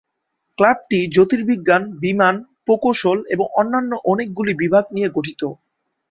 ক্লাবটি জ্যোতির্বিজ্ঞান, বিমান, প্রকৌশল এবং অন্যান্য অনেকগুলি বিভাগ নিয়ে গঠিত।